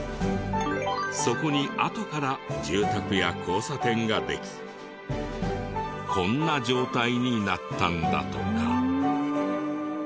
そこにあとから住宅や交差点ができこんな状態になったんだとか。